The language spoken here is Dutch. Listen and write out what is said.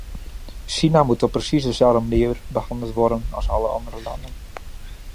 China moet op precies dezelfde manier behandeld worden als alle andere landen.